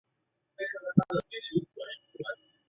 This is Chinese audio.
他并在纽约市立学院的夜校进修。